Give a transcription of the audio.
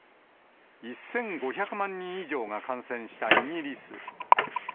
１５００万人以上が感染したイギリス。